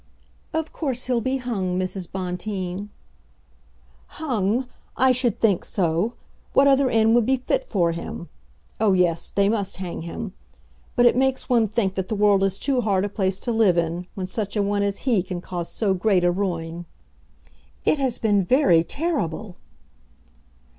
"Of course he'll be hung, Mrs. Bonteen." "Hung! I should think so! What other end would be fit for him? Oh, yes; they must hang him. But it makes one think that the world is too hard a place to live in, when such a one as he can cause so great a ruin." "It has been very terrible."